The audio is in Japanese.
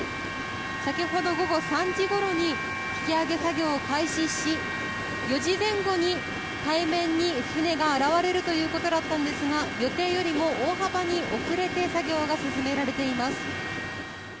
先ほど午後３時ごろに引き揚げ作業を開始し４時前後に海面に船が現れるということだったんですが予定よりも大幅に遅れて作業が進められています。